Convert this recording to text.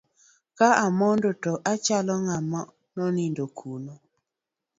Ka amondo to achalo ng'ama nonindo kuno.